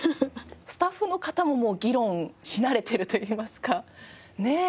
スタッフの方も議論し慣れているといいますかねえ